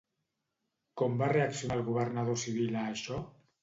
Com va reaccionar el governador civil a això?